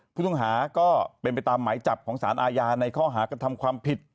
ผู้ต้องหาก็เป็นไปตามหมายจับของสารอาญาในข้อหากระทำความผิด